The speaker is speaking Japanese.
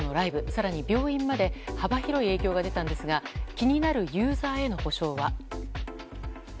更に、病院まで幅広い影響が出たんですが気になるユーザーへの補償は。